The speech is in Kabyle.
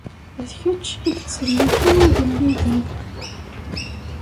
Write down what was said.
D kečč i yettselliken igelliden.